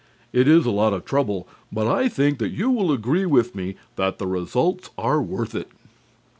It is a lot of trouble, but I think that you will agree with me that the results are worth it.